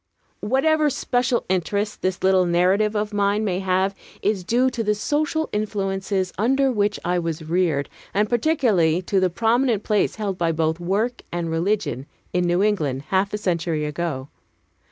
Whatever special interest this little narrative of mine may have is due to the social influences under which I was reared, and particularly to the prominent place held by both work and religion in New England half a century ago.